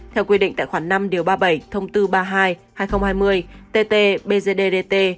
theo quy định tại khoảng năm ba mươi bảy ba mươi hai hai nghìn hai mươi tt bgddt